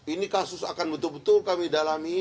ini kasus akan betul betul kami dalami